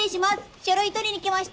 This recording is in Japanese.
書類取りに来ました。